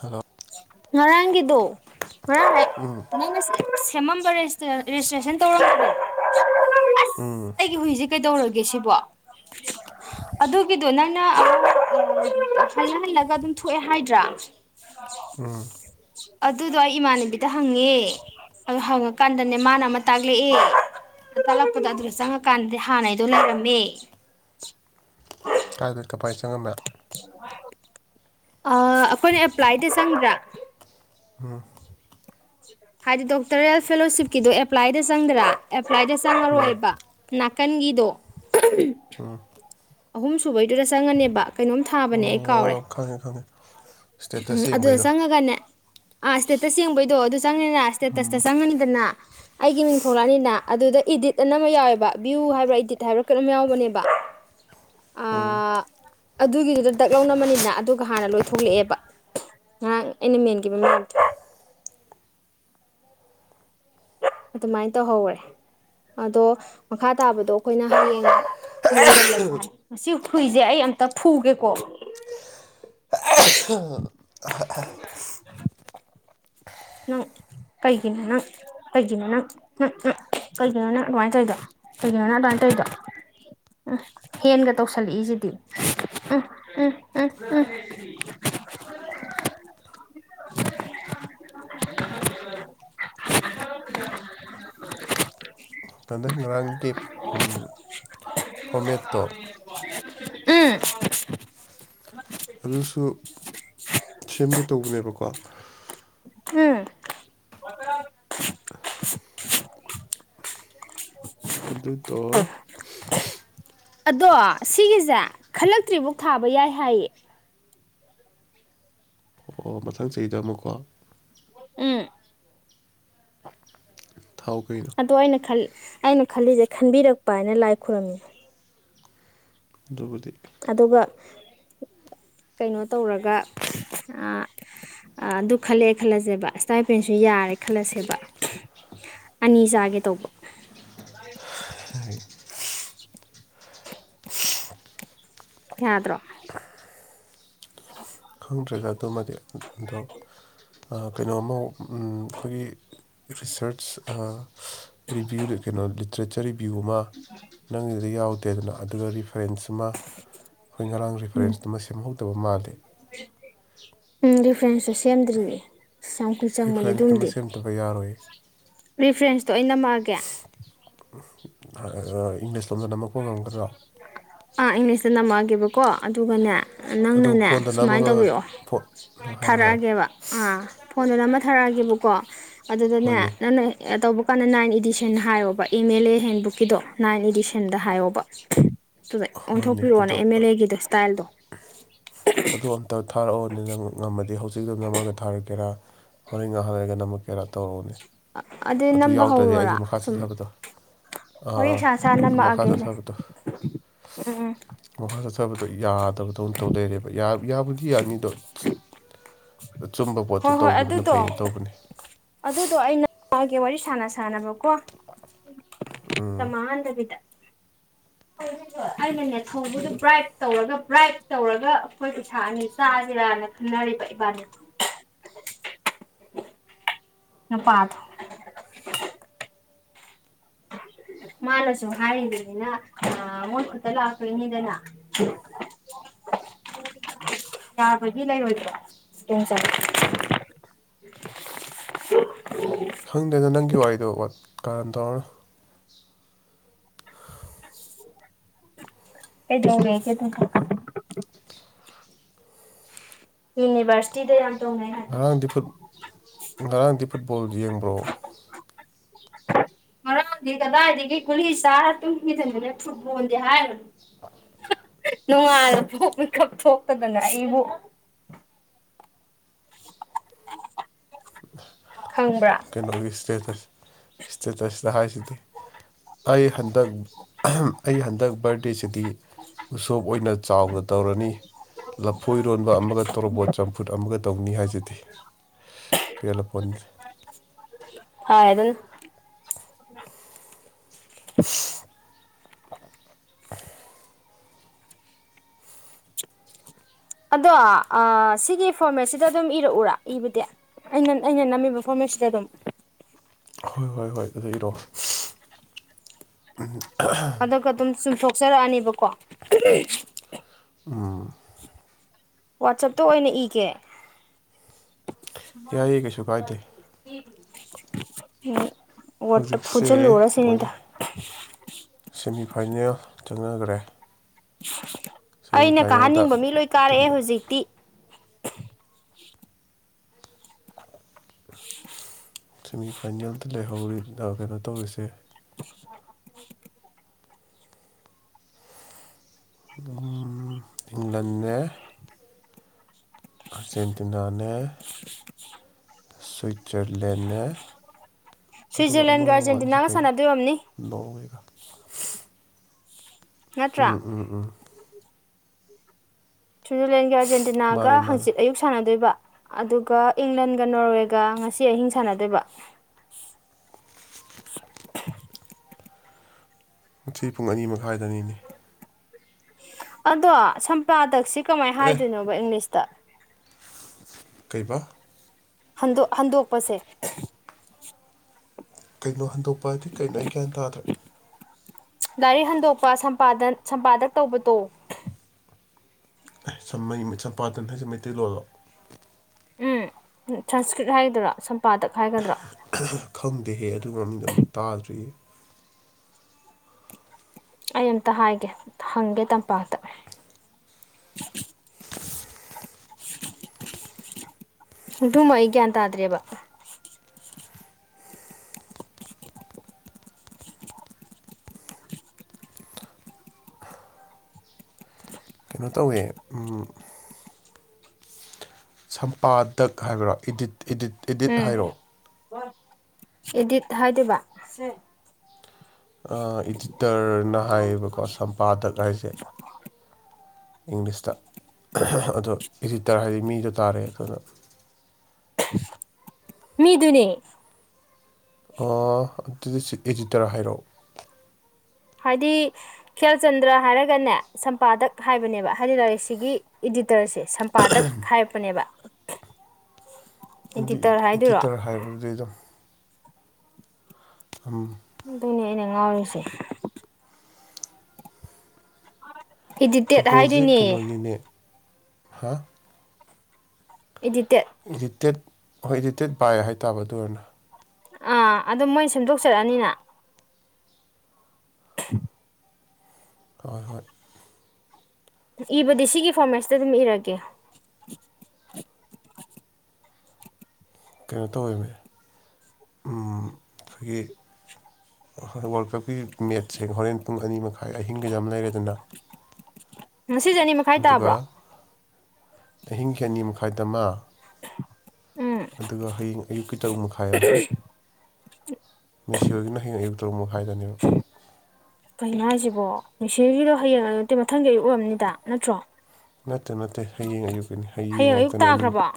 hello ꯉꯔꯥꯡꯒꯤꯗꯣ ꯉꯔꯥꯡ ꯍꯥꯏ ꯑꯩꯅ ꯁꯦꯕ ꯁꯦꯝꯃꯝꯕ ꯔꯦꯖꯤꯁꯇ꯭ꯔꯦꯁꯟ ꯇꯧꯔꯃꯒꯦ ꯑꯩꯒꯤ ꯍꯨꯏꯁꯦ ꯀꯩꯗꯧꯔꯒꯦ ꯁꯤꯕꯣ ꯑꯗꯨꯒꯤꯗꯣ ꯅꯪꯅ ꯍꯜꯍꯜꯂꯒ ꯑꯗꯨꯝ ꯊꯣꯛꯑꯦ ꯍꯥꯏꯗ꯭ꯔꯥ ꯎꯝ ꯑꯗꯨꯗꯣ ꯑꯩ ꯏꯃꯥꯟꯅꯕꯤꯗ ꯍꯪꯉꯦ ꯑꯗꯨ ꯍꯪꯉꯀꯥꯟꯗꯅꯦ ꯃꯥꯅ ꯑꯃ ꯇꯥꯛꯂꯛꯑꯦ ꯇꯠꯂꯛꯄꯗꯣ ꯑꯗꯨꯗ ꯆꯪꯉꯀꯥꯟꯗꯗꯤ ꯍꯥꯟꯅꯩꯗꯣ ꯂꯩꯔꯝꯃꯦ ꯀꯥꯏꯗ ꯀꯃꯥꯏꯅ ꯆꯪꯉꯝꯃꯦ [unintelligible] ꯑ ꯑꯩꯈꯣꯏꯅ ꯑꯦꯄ꯭ꯂꯥꯏꯗ ꯆꯪꯗ꯭ꯔꯥ ꯍꯥꯏꯗꯤ ꯗꯣꯛꯇꯔꯦꯜ ꯐꯦꯂꯣꯁꯤꯞꯀꯤꯗꯣ ꯑꯦꯄ꯭ꯂꯥꯏꯗ ꯆꯪꯗ꯭ꯔꯥ ꯑꯦꯄ꯭ꯂꯥꯏꯗ ꯆꯪꯉꯔꯣꯏꯕ ꯅꯥꯀꯟꯒꯤꯗꯣ ꯎꯥ ꯑꯍꯨꯝ ꯁꯨꯕꯩꯗꯨꯗ ꯆꯪꯉꯅꯦꯕ ꯀꯩꯅꯣꯝ ꯊꯥꯕꯅꯦ ꯑꯩ ꯀꯥꯎꯔ ꯑꯣ ꯈꯪꯉꯦ ꯈꯪꯉꯦ ꯎꯝ ꯁ꯭ꯇꯦꯇꯁ ꯑꯗꯨꯗ ꯌꯦꯡꯕꯩꯗꯣ ꯆꯪꯉꯒꯅꯦ ꯑꯥ ꯏꯁꯇꯦꯇꯁ ꯌꯦꯡꯕꯩꯗꯣ ꯑꯗꯨ ꯆꯪꯅꯤꯗꯅ ꯏꯁꯇꯦꯇꯁꯇ ꯆꯪꯉꯅꯤꯗꯅ ꯑꯩꯒꯤ ꯃꯤꯡ ꯊꯣꯂꯛꯑꯅꯤꯅ ꯑꯗꯨꯗ ꯏꯗꯤꯠ ꯑꯅ ꯑꯃ ꯌꯥꯎꯋꯦꯕ ꯚ꯭ꯌꯨ ꯍꯥꯏꯕ꯭ꯔꯥ ꯏꯗꯤꯠ ꯍꯥꯏꯕ꯭ꯔꯥ ꯀꯩꯅꯣꯝ ꯌꯥꯎꯕꯅꯦꯕ ꯑꯗꯨꯒꯤꯗꯨꯗ ꯗꯛ ꯂꯧꯅꯅꯕꯅꯤꯅ ꯑꯗꯨꯒ ꯍꯥꯟꯅ ꯂꯣꯏ ꯊꯣꯛꯂꯛꯑꯦꯕ ꯉ ꯑꯩꯅ ꯃꯦꯟꯈꯤꯕ ꯃꯗꯦ ꯑꯗꯨꯃꯥꯏꯅ ꯇꯧꯍꯧꯔꯦ ꯑꯗꯣ ꯃꯈꯥ ꯇꯥꯕꯗꯣ ꯑꯩꯈꯣꯏꯅ ꯍꯌꯦꯡ ꯌꯦꯦꯟꯁꯤꯜꯂꯁ ꯍꯥꯏ ꯃꯁꯤ ꯍꯨꯏꯁꯦ ꯑꯩ ꯑꯝꯇ ꯐꯨꯒꯦꯀꯣ [unintelligible] ꯑꯍ ꯑ ꯅꯪ ꯀꯩꯒꯤꯅ ꯅꯪ ꯀꯩꯒꯤꯅꯣ ꯅꯪ ꯎꯝ ꯎ ꯀꯩꯒꯤꯅꯣ ꯅꯪ ꯑꯗꯨꯃꯥꯏ ꯇꯧꯔꯤꯗꯣ ꯀꯩꯒꯤꯅꯣꯅ ꯑꯗꯨꯋꯥꯏꯅ ꯇꯧꯔꯤꯗꯣ ꯎꯝ ꯍꯦꯟꯒ ꯇꯧꯁꯜꯂꯛꯏꯁꯤꯗꯤ ꯎꯝ ꯎꯝ ꯎꯝ ꯎꯝ [unintelligible] [unintelligible] [unintelligible] ꯀꯟꯗꯪ ꯉꯔꯥꯡꯒꯤ ꯐꯣꯔꯃꯦꯠꯇꯣ ꯎꯝ ꯑꯗꯨꯁꯨ ꯁꯦꯝꯒꯦ ꯇꯧꯕꯅꯦꯕꯀꯣ ꯍ ꯃꯠꯇ ꯑꯗꯨ ꯇꯣꯞ ꯑꯗꯣ ꯁꯤꯒꯤꯁꯦ ꯈꯜꯂꯛꯇ꯭ꯔꯤꯐꯧ ꯊꯥꯕ ꯌꯥꯏ ꯍꯥꯏꯌꯦ ꯑꯣ ꯃꯊꯪ ꯆꯍꯤꯗ ꯑꯃꯨꯛꯀꯣ ꯎꯝ ꯊꯥꯎ ꯀꯩꯅꯣ ꯑꯗꯣ ꯑꯩꯅ ꯑꯩꯅ ꯈꯜꯂꯤꯁꯦ ꯈꯟꯕꯤꯔꯛꯄ ꯍꯥꯏꯅ ꯂꯥꯏ ꯈꯨꯔꯝꯃꯤ ꯗꯣꯕꯨꯗꯤ ꯑꯗꯨꯒ ꯀꯩꯅꯣ ꯇꯧꯔꯒ ꯑ ꯑꯗꯨ ꯈꯜꯂꯑꯦ ꯈꯜꯂꯁꯦꯕ ꯏꯁꯇꯥꯏꯄꯦꯟꯁꯨ ꯌꯥꯔꯦ ꯈꯜꯂꯁꯦꯕ ꯑꯅꯤꯁꯒꯦ ꯇꯧꯕ [unintelligible] ꯌꯥꯗ꯭ꯔꯣ ꯎ ꯈꯪꯗ꯭ꯔꯦꯗ ꯑꯗꯨꯃꯗꯤ ꯑꯗꯣ ꯀꯩꯅꯣꯃ ꯑꯩꯈꯣꯏꯒꯤ ꯔꯤꯁꯔꯁ ꯔꯤꯕꯤꯌꯨ ꯀꯩꯅꯣ ꯂꯤꯇ꯭ꯔꯦꯆꯔ ꯔꯤꯕ꯭ꯌꯨ ꯑꯃ ꯅꯪꯒꯤꯗꯨꯗ ꯌꯥꯎꯗꯦꯗꯅ ꯑꯗꯨꯒ ꯔꯤꯐꯔꯦꯟꯁ ꯑꯃ ꯑꯩꯈꯣꯏ ꯉꯔꯥꯡ ꯄ꯭ꯔꯤꯐꯔꯦꯟꯁꯇꯨꯃ ꯁꯦꯝꯍꯧꯗꯕ ꯃꯥꯜꯂꯤ ꯎꯝ ꯗꯤꯐ꯭ꯔꯦꯟꯁꯁꯨ ꯁꯦꯝꯗ꯭ꯔꯤꯅꯦ ꯑꯁ ꯌꯥꯝ ꯀꯨꯜ ꯑꯩ ꯆꯪꯕꯅꯦ ꯐ꯭ꯔꯦꯟꯁꯇꯨꯃ ꯑꯗꯨꯝꯗꯤ ꯁꯦꯝꯗꯕ ꯌꯥꯔꯣꯏ ꯔꯤꯐ꯭ꯔꯦꯟꯁꯇꯣ ꯑꯣꯏꯅ ꯅꯝꯃꯛꯑꯒꯦ ꯏꯪꯂꯤꯁ ꯂꯣꯝꯗ ꯅꯝꯃꯛꯄ ꯉꯝꯒꯗ꯭ꯔꯣ ꯑꯥ ꯏꯪꯂꯤꯁꯇ ꯅꯝꯃꯛꯑꯒꯦꯕꯀꯣ ꯑꯗꯨꯒꯅꯦ ꯑꯗꯨꯝ ꯅꯪꯅꯅꯦ ꯐꯣꯟꯗ ꯁꯨꯃꯥꯏꯅ ꯅꯝꯃꯒ ꯇꯧꯕꯤꯑꯣ ꯐꯣꯟ ꯍꯥꯏꯔꯣ ꯍꯥꯏꯔꯣ ꯊꯥꯔꯛꯑꯒꯦꯕ ꯑꯥ ꯐꯣꯟꯗꯨꯗ ꯑꯃꯊꯥꯔꯛꯑꯒꯦꯕꯀꯣ ꯑꯗꯨꯗꯅꯦ ꯍꯣꯏꯅꯦ ꯅꯪꯅ ꯇꯧꯕ ꯀꯥꯟꯗ ꯅꯥꯏꯟ ꯏꯗꯤꯁꯟ ꯍꯥꯏꯌꯣꯕ ꯑꯦꯝ ꯑꯦꯜ ꯑꯦ ꯍꯦꯟꯕꯨꯛꯀꯤꯗꯣ ꯅꯥꯏꯟ ꯏꯗꯤꯁꯟ ꯍꯦꯟꯗ ꯍꯥꯏꯌꯣꯕ ꯑꯗꯨꯗ ꯍꯣꯏꯅꯦ ꯑꯣꯟꯊꯣꯛꯄꯤꯔꯛꯑꯣꯅꯦ ꯑꯗꯣ ꯑꯦꯝ ꯑꯦꯜ ꯑꯦꯒꯤꯗ ꯏꯁꯇꯥꯏꯜꯗꯣ ꯑꯗꯣ ꯑꯝꯇ ꯊꯥꯔꯛꯑꯣꯅꯦ ꯅꯪ ꯉꯝꯃꯗꯤ ꯍꯧꯖꯤꯛꯇꯣ ꯅꯝꯃꯒ ꯊꯥꯔꯛꯀꯦꯔꯥ ꯍꯣꯔꯦꯟ ꯑꯍꯜꯂꯒ ꯅꯝꯃꯛꯀꯦꯔꯥ ꯇꯧꯔꯛꯎꯅꯦ ꯑꯗꯨꯗꯤ ꯑꯗꯨ ꯅꯝꯕ ꯌꯥꯎꯗ꯭ꯔꯗꯤ ꯍꯧꯔꯣꯔꯥ ꯑꯩꯁꯨ ꯃꯈꯥ ꯁꯨꯝ ꯆꯠꯊꯕꯗꯣ ꯋꯥꯔꯤ ꯑꯥ ꯁꯥ ꯁꯥ ꯑꯗꯨ ꯃꯈꯥ ꯅꯝꯃꯛꯑꯒꯦꯅꯦ ꯆꯠꯊꯕꯗ‌ꯣ ꯎꯝ ꯎꯝ ꯃꯈꯥ ꯆꯠꯊꯕꯗꯣ ꯌꯥꯗꯕꯗꯧꯅ ꯇꯧ ꯂꯩꯔꯦꯕ ꯌꯥꯕꯨ ꯌꯥꯕꯨꯗꯤ ꯌꯥꯅꯤꯗꯣ ꯑꯆꯨꯝꯕ ꯍꯣꯏ ꯄꯣꯠꯇ ꯍꯣꯏ ꯇꯧꯈꯤꯕꯅ ꯐꯩ ꯑꯗꯨꯗꯣ ꯍꯥꯏꯅ ꯇꯧꯕꯅꯤ ꯑꯗꯨꯗꯣ [unintelligible] ꯋꯥꯔꯤ ꯁꯥꯟꯅ ꯁꯥꯟꯅꯕꯀꯣ ꯃꯇꯝ ꯃꯍꯟꯗꯕꯤꯗ ꯑꯩꯅꯅꯦ ꯊꯧꯕꯗꯨ ꯕ꯭ꯔꯥꯏꯠ ꯇꯧꯔꯒ ꯕ꯭ꯔꯥꯏꯠ ꯇꯧꯔꯒ ꯑꯩꯈꯣꯏ ꯄꯩꯁꯥ ꯑꯅꯤ ꯆꯁꯤꯔꯅ ꯈꯟꯅꯔꯤꯕ ꯏꯕꯥꯟꯅꯤ ꯅꯨꯄꯥꯗ‌ꯣ ꯃꯥꯅꯁꯨ ꯍꯥꯏꯔꯤꯕꯅꯤꯅ ꯑꯥ ꯃꯣꯏ ꯈꯨꯠꯇ ꯂꯥꯛꯇꯣꯏꯅꯤꯗꯅ ꯌꯥꯕꯗꯤ ꯂꯩꯔꯣꯏꯗ꯭ꯔꯣ ꯈꯪꯗꯦꯗ ꯅꯪꯒꯤ ꯋꯥꯔꯤꯗꯣ ꯀꯔꯟ ꯇꯧꯔꯅꯨ [unintelligible] ꯀꯩꯗꯧꯔ‌ꯦ ꯀꯩ ꯌꯨꯅꯤꯚꯔꯁ ꯌꯥꯝ ꯇꯣꯡꯅꯩ ꯍꯥꯏ ꯉꯔꯥꯡꯗꯤ ꯐꯨꯠ ꯉꯔꯥꯡꯗꯤ ꯐꯨꯠꯕꯣꯜ ꯌꯦꯡꯕ꯭ꯔꯣ [inaudible] ꯉꯔꯥꯡꯗꯤ ꯀꯗꯥꯏꯗꯒꯤ ꯒꯨꯂꯤ ꯆꯥꯔ ꯇꯨꯝꯃꯤꯗ ꯉꯟꯂꯞꯁꯨ ꯕꯣꯜꯗꯤ ꯍꯥꯏꯔꯨꯅꯨ ꯅꯣꯡꯉꯥꯜꯂ ꯐꯧ ꯃꯤꯀꯞ ꯊꯣꯛꯇꯗꯅ ꯑꯩꯕꯨ ꯈꯪꯕ꯭ꯔꯥ ꯀꯩꯅꯣꯒꯤ ꯏꯁꯇꯦꯇꯁ ꯏꯁꯇꯦꯇꯁꯗ ꯍꯥꯏꯁꯤꯗꯤ ꯑꯩ ꯍꯟꯗꯛ ꯑꯩ ꯍꯟꯗꯛ ꯕꯥꯔꯗꯦꯁꯤꯗꯤ ꯎꯁꯣꯞ ꯑꯣꯏꯅ ꯆꯥꯎꯅ ꯇꯧꯔꯅꯤ ꯂꯐꯣꯏ ꯏꯔꯣꯟꯕ ꯑꯃꯒ ꯇꯣꯔꯣꯕꯣꯠ ꯆꯝꯐꯨꯠ ꯑꯃꯒ ꯇꯧꯅꯤ ꯍꯥꯏꯖꯤꯗꯤ ꯄꯦꯜꯂꯄꯣꯠꯅꯤ ꯑꯥꯏ ꯑꯗꯨ ꯑꯗꯣ ꯑꯥ ꯁꯤꯒꯤ ꯐꯣꯔꯃꯦꯠꯁꯤꯗ ꯑꯗꯨꯝ ꯏꯔꯛꯎꯔꯥ ꯏꯕꯗꯤ ꯑꯩꯅ ꯑꯩꯅ ꯅꯝꯃꯤꯕ ꯐꯣꯔꯃꯦꯠꯁꯤꯗ ꯑꯗꯨꯝ ꯍꯣꯏ ꯍꯣꯏ ꯍꯣꯏ ꯑꯗꯨ ꯏꯔꯣ ꯑꯗꯨꯒ ꯑꯗꯨꯝ ꯆꯨꯝꯊꯣꯛꯆꯔꯛꯑꯅꯦꯕꯀꯣ ꯑꯥ ꯋꯥꯠꯆꯞꯇ ꯑꯣꯏꯅ ꯏꯒꯦ ꯎꯝ ꯌꯥꯏꯌꯦ ꯀꯩꯁꯨ ꯀꯥꯏꯗꯦ ꯋꯥꯔꯗ ꯍꯧꯖꯤꯛꯁꯦ ꯐꯨꯖꯜꯂꯨꯔ ꯁꯤꯅꯤꯗ ꯃꯣꯏꯒꯤ ꯁꯦꯃꯤꯐꯥꯏꯅꯦꯜ ꯆꯪꯅꯈ꯭ꯔꯦ ꯑꯩꯅ ꯁꯦꯃꯤꯐꯥꯏꯅꯦꯜꯗ ꯀꯥꯍꯟꯅꯤꯡꯕ ꯃꯤ ꯂꯣꯏ ꯇꯤꯝ ꯀꯥꯔꯛꯑꯦ ꯍꯧꯖꯤꯛꯇꯤ ꯁꯦꯃꯤꯐꯥꯏꯅꯦꯜꯗ ꯂꯩꯍꯧꯔꯤ ꯑꯥ ꯀꯩꯅꯣ ꯇꯧꯔꯤꯁꯦ [inaudible] ꯑꯗꯨꯝ ꯏꯪꯂꯟꯅꯦ ꯑꯔꯖꯦꯟꯇꯤꯅꯅꯦ ꯁꯨꯏꯖꯔꯂꯦꯟꯅꯦ ꯑꯗꯨꯒ ꯑꯃ ꯁ꯭ꯋꯤꯖꯔꯂꯦꯟꯒ ꯋꯥꯠꯂꯤꯁꯤ ꯑꯥꯔꯖꯦꯟꯇꯤꯅꯥꯒ ꯀꯩꯅꯣ ꯁꯥꯟꯅꯗꯣꯏꯔꯝꯅꯤ ꯅꯣꯔꯋꯦꯒ ꯎꯝ ꯅꯠꯇ꯭ꯔꯥ ꯎꯝ ꯎꯝ ꯁꯨꯏꯖꯔꯂꯦꯟꯒ ꯑꯥꯔꯖꯦꯟꯇꯤꯅꯥꯒ ꯃꯥꯅꯦ ꯃꯥꯅꯦ ꯍꯪꯆꯤꯠ ꯑꯌꯨꯛ ꯁꯥꯟꯅꯗꯣꯏꯕ ꯑꯗꯨꯒ ꯏꯪꯂꯦꯟꯒ ꯅꯣꯔꯋꯦꯒ ꯉꯁꯤ ꯑꯍꯤꯡ ꯁꯥꯟꯅꯗꯣꯏꯕ ꯉꯁꯤ ꯄꯨꯡ ꯑꯅꯤ ꯃꯈꯥꯏꯗꯅꯤꯅ‌ꯦ ꯑꯗꯣ ꯁꯝꯄ꯭ꯔꯗꯛꯁꯤ ꯀꯃꯥꯏꯅ ꯑꯦ ꯍꯥꯏꯗꯣꯏꯅꯣꯕ ꯏꯪꯂꯤꯁꯇ ꯀꯩꯕ ꯍꯟꯗ‌ꯣꯛ ꯍꯟꯗꯣꯛꯄꯁꯦ ꯀꯩꯅꯣ ꯍꯟꯗꯣꯛꯄ ꯍꯥꯏꯗꯤ ꯀꯩꯅꯣ ꯑꯩ ꯒ꯭ꯌꯥꯟ ꯇꯥꯗ꯭ꯔ‌ꯦ ꯗꯥꯏꯔ‌ꯦꯛ ꯍꯟꯗꯣꯛꯄ ꯁꯝꯄꯥꯗꯟ ꯁꯝꯄꯥꯗꯛ ꯇꯧꯕꯗ‌ꯣ ꯑꯦ ꯁꯃꯩ ꯆꯝꯄꯥꯗꯟ ꯍꯥꯏꯁꯦ ꯃꯩꯇꯩꯂꯣꯟꯂꯣ ꯎꯝ ꯁꯪꯁꯀ꯭ꯔꯤꯠ ꯍꯥꯏꯒꯗꯔ‌ꯣ ꯁꯝꯄꯥꯗꯛ ꯍꯥꯏꯒꯗꯔ‌ꯣ ꯈꯪꯗꯦꯍꯦ ꯑꯗꯨ ꯃꯃꯤꯡꯗ‌ꯣ ꯑꯃꯨꯛꯇ ꯇꯥꯗ꯭ꯔꯤꯌꯦ ꯑꯩ ꯑꯃꯝꯇ ꯍꯥꯏꯒꯦ ꯍꯪꯒꯦ ꯇꯝꯄꯥꯛꯇ [unintelligible] ꯑꯗꯨꯃ ꯑꯩ ꯒ꯭ꯌꯥꯟ ꯇꯥꯗ꯭ꯔꯦꯕ ꯀꯩꯅꯣ ꯇꯧꯋꯦ ꯁꯝꯄꯥꯗꯛ ꯍꯥꯏꯕꯔꯥ ꯏꯗꯤꯠ ꯏꯠ ꯏꯗꯤꯠ ꯎꯝ ꯍꯥꯏꯔꯣ ꯏꯗꯤꯠ ꯍꯥꯏꯗꯕ ꯏꯗꯤꯇꯔꯅ ꯍꯥꯏꯌꯦꯕꯀꯣ ꯁꯝꯄꯥꯗꯛ ꯍꯥꯏꯁꯦ ꯏꯪꯂꯤꯁꯇ ꯑꯗꯣ ꯏꯗꯤꯇꯔ ꯍꯥꯏꯗꯤ ꯃꯤꯗꯣ ꯇꯥꯔꯦ ꯑꯗꯨꯅ ꯃꯤꯗꯨꯅꯦ ꯑꯗꯨꯗꯤ ꯑꯦꯗꯤꯇꯔ ꯍꯥꯏꯔꯛꯑꯣ ꯍꯥꯏꯗꯤ ꯈꯦꯜꯆꯟꯗ꯭ꯔ ꯍꯥꯏꯔꯒꯅꯦ ꯁꯝꯄꯥꯗꯛ ꯍꯥꯏꯕꯅꯦꯕ ꯍꯥꯏꯗꯤ ꯂꯥꯏꯔꯤꯛꯁꯤꯒꯤ ꯏꯗꯤꯇꯔꯁꯦ ꯁꯝꯄꯥꯗꯛ ꯍꯥꯏꯔꯛꯄꯅꯦꯕ ꯑꯗꯨ ꯏꯗꯤꯇꯔ ꯍꯥꯏꯗꯣꯏꯔꯣ ꯏꯗꯤꯇꯔ ꯍꯥꯏꯔꯗꯨꯗꯤ ꯑꯗꯨꯝ ꯑꯝ ꯑꯗꯨꯏꯅꯦ ꯑꯩꯅ ꯉꯥꯎꯔꯤꯁꯦ ꯏꯗꯤꯇꯦꯠ ꯐꯨꯠꯕꯣꯜꯁꯦ ꯍꯥꯏꯗꯣꯏꯅꯦ ꯀꯩꯅꯣꯅꯤꯅꯦ ꯍꯥ ꯏ ꯇꯠ ꯏꯗꯤꯇꯦꯠ ꯍꯣꯏ ꯏꯗꯤꯇꯦꯠ ꯕꯥꯥꯏ ꯍꯥꯏꯇꯥꯕ ꯑꯗꯨ ꯑꯣꯏꯔꯅ ꯑꯥ ꯑꯗꯨꯣ ꯃꯣꯏꯅ ꯁꯦꯝꯗꯣꯛꯆꯔꯛꯑꯅꯤꯅ ꯎ ꯍꯣꯏ ꯍꯣꯏ ꯏꯕꯗꯤ ꯁꯤꯒꯤ ꯐꯣꯔꯃꯦꯠꯁꯤꯗ ꯑꯗꯨꯝ ꯏꯔꯒꯦ ꯀꯩꯅꯣ ꯇꯧꯋꯅꯦ ꯑꯩꯈꯣꯏꯒꯤ ꯍꯣꯏ ꯋꯥꯔꯜ ꯀꯞꯀꯤ ꯃꯦꯠꯁꯦ ꯍꯣꯔꯦꯟ ꯄꯨꯡ ꯑꯅꯤ ꯃꯈꯥꯏ ꯑꯍꯤꯡꯒꯤ ꯌꯥꯝꯝ ꯂꯩꯔꯦꯗꯅ ꯉꯁꯤ ꯆꯅꯤ ꯃꯈꯥꯏ ꯇꯥꯕ꯭ꯔꯣ ꯑꯍꯤꯡ ꯀꯌꯥꯅꯤ ꯃꯈꯥꯏꯗꯃꯥ ꯎꯝ ꯑꯗꯨꯒ ꯍꯌꯦꯡ ꯑꯌꯨꯛꯀꯤ ꯇꯔꯨꯛ ꯃꯈꯥꯏ ꯑꯃ ꯃꯦꯁꯤꯌꯣꯒꯤꯅ ꯍꯌꯦꯡ ꯑꯌꯨꯛꯛꯇꯔ ꯃꯣꯚ ꯍꯥꯏꯗꯅꯦꯕ ꯀꯩꯅꯣ ꯍꯥꯏꯁꯤꯕꯣ ꯁꯤꯡꯒꯤꯗꯣ ꯍꯌꯦꯡ ꯅꯠꯇꯦ ꯃꯊꯪꯒꯤ ꯑꯌꯨ ꯑꯣꯏꯔꯔꯕꯝꯅꯤꯗ ꯅꯠꯇ꯭ꯔꯣ ꯅꯠꯇꯦ ꯅꯠꯇꯦ ꯍꯌꯦꯡ ꯑꯌꯨꯛꯀꯤꯅꯤ ꯍꯌꯦꯡ ꯑꯌꯨꯛ ꯉꯥꯛꯇꯅꯤ ꯑꯅꯤꯃꯛ ꯇꯥꯈ꯭ꯔꯕꯣ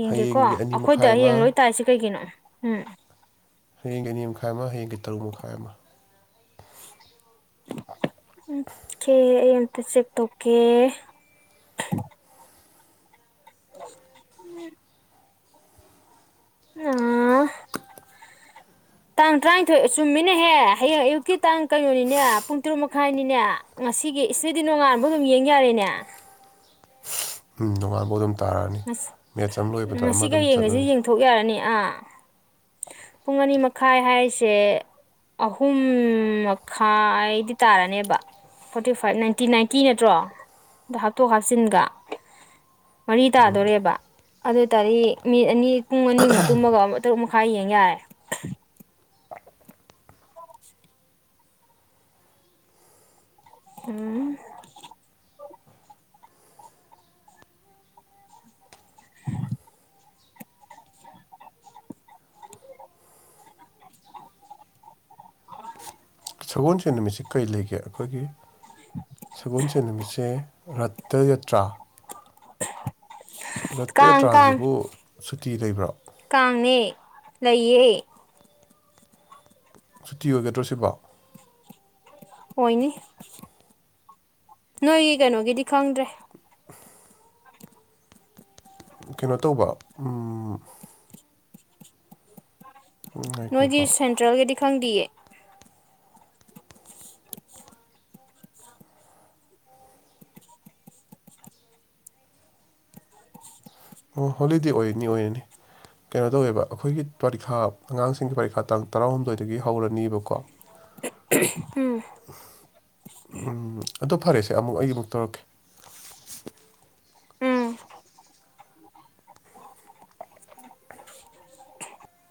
ꯌꯦꯡꯒꯦꯀꯣ ꯑꯩꯈꯣꯏꯗ ꯍꯌꯦꯡ ꯂꯣꯏ ꯇꯥꯔꯤꯁꯤ ꯀꯩꯒꯤꯅꯣ ꯎꯝ ꯍꯌꯦꯡꯒꯤ ꯑꯅꯤ ꯃꯈꯥꯏ ꯑꯃ ꯍꯌꯦꯡꯒꯤ ꯇꯔꯨꯛ ꯃꯈꯥꯏ ꯑꯃ ꯑꯣ ꯀꯦ ꯑꯦꯇ ꯆ ꯇꯧꯀꯦ ꯎꯝ ꯎꯝ ꯇꯥꯡ ꯇꯔꯥꯅꯤꯊꯣꯏ ꯑ ꯆꯨꯝꯃꯤꯅꯦꯍꯦ ꯍꯌꯦꯡ ꯑꯌꯨꯛꯀꯤ ꯇꯥꯡ ꯀꯩꯅꯣꯅꯤꯅꯦ ꯄꯨꯡ ꯇꯔꯨꯛ ꯃꯈꯥꯏꯅꯤꯅꯦ ꯉꯁꯤꯒꯤ ꯏꯁꯇꯗꯤ ꯅꯣꯡꯉꯥꯟꯕ ꯑꯗꯨꯝ ꯌꯦꯡ ꯌꯥꯔꯦꯅꯦ ꯎ ꯅꯣꯡꯉꯥꯜꯐꯥꯎ ꯑꯗꯨꯝ ꯇꯥꯔꯛꯑꯅꯤ ꯃꯦꯠꯆ ꯑꯃ ꯂꯣꯏꯕꯗ ꯑꯃ ꯑꯗꯨꯝ ꯆꯠꯂꯅꯤ ꯄꯨꯊꯣꯛ ꯌꯥꯔꯅꯤ ꯑꯥ ꯄꯨꯡ ꯑꯅꯤ ꯃꯈꯥꯏ ꯍꯥꯏꯔꯤꯁꯦ ꯑꯍꯨꯝ ꯃꯈꯥꯏꯗꯤ ꯇꯥꯔꯅꯦꯕ ꯐꯣꯔꯇꯤ ꯐꯥꯏꯚ ꯅꯥꯏꯟꯇꯤ ꯅꯥꯏꯟꯇꯤ ꯅꯠꯇ꯭ꯔꯣ ꯑꯗꯣ ꯍꯥꯞꯇꯣꯛ ꯍꯥꯞꯆꯤꯟꯒ ꯇꯥꯗꯣꯣꯔꯦꯕ ꯑꯗꯨ ꯑꯣꯏ ꯇꯥꯔꯗꯤ ꯃꯤꯠ ꯑꯅꯤ ꯄꯨꯡ ꯑꯅꯤꯃꯨꯛ ꯇꯨꯝꯃꯒ ꯇꯔꯨꯛ ꯃꯈꯥꯏ ꯌꯦꯡ ꯌꯥꯔꯦ ꯎꯝ ꯁꯒꯣꯜꯁꯦꯟ ꯅꯨꯃꯤꯠꯁꯤ ꯀꯩ ꯂꯩꯒꯦ ꯑꯩꯈꯣꯏꯒꯤ ꯁꯒꯣꯜꯁꯦꯟ ꯅꯨꯃꯤꯠꯁꯦ ꯔꯠꯇ ꯌꯥꯇ꯭ꯔꯥ [inaudible] ꯀꯥꯡ ꯔꯠꯇꯦꯇ꯭ꯔꯥꯁꯤꯕꯨ ꯁꯨꯇꯤ ꯂꯩꯕ꯭ꯔꯣ ꯀꯥꯡꯉꯦ ꯂꯩꯌꯦ ꯁꯨꯇꯤ ꯑꯣꯏꯒꯗ꯭ꯔꯣ ꯁꯤꯕꯣ ꯑꯣꯏꯅꯤ ꯅꯣꯏꯒꯤ ꯀꯩꯅꯣꯒꯤꯗꯤ ꯈꯪꯗ꯭ꯔꯦ ꯀꯩꯅꯣ ꯇꯧꯕ ꯎꯝ [inaudible] ꯅꯣꯏꯗꯤ ꯉꯥꯏꯈꯣꯀꯣ ꯁꯦꯟꯇ꯭ꯔꯦꯜꯒꯤꯗꯤ ꯈꯪꯗꯤꯌꯦ [inaudible] ꯑꯣ ꯍꯣꯂꯤꯗꯦ ꯑꯣꯏꯅꯤ ꯑꯣꯏꯔꯅꯤ ꯀꯩꯅꯣ ꯇꯧꯋꯦꯕ ꯑꯩꯈꯣꯏꯒꯤ ꯄꯔꯤꯈꯥ ꯑꯉꯥꯡꯁꯤꯡꯒꯤ ꯄꯔꯤꯈꯥ ꯇꯥꯡ ꯇꯔꯥꯍꯨꯝꯗꯣꯏꯗꯒꯤ ꯍꯧꯔꯅꯤꯕꯀꯣ ꯎꯝ ꯎꯝ ꯑꯗꯨ ꯐꯔꯦꯁꯦ ꯑꯃꯨꯛ ꯑꯩ ꯑꯃꯨꯛ ꯇꯧꯔꯛꯀꯦ ꯎꯝ [inaudible]